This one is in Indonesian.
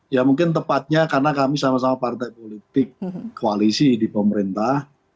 ya mungkin tepatnya karena kami sama sama partai politik koalisi di pemerintah